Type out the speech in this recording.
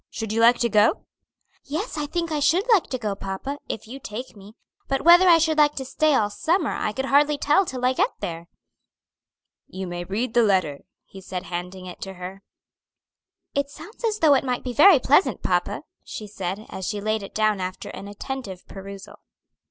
Should you like to go?" "Yes, I think I should like to go, papa, if you take me; but whether I should like to stay all summer I could hardly tell till I get there." "You may read the letter," he said, handing it to her. "It sounds as though it might be very pleasant, papa," she said, as she laid it down after an attentive perusal.